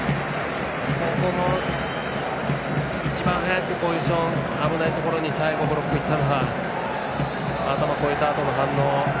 ここも一番早くポジション危ないところに最後、ブロックいったのは頭越えたあとの反応。